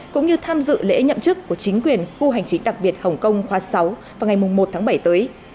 cũng như tham dự lễ nhậm chức của chính quyền khu hành chính đặc biệt hồng kông khóa sáu vào ngày một tháng bảy tới